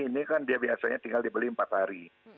ini kan dia biasanya tinggal dibeli empat hari